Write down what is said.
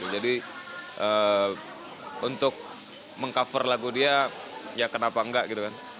jadi untuk meng cover lagu dia ya kenapa enggak gitu kan